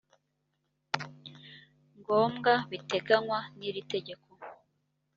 ngombwa biteganywa n iri tegeko